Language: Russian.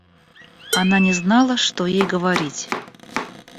Она не знала, что ей говорить.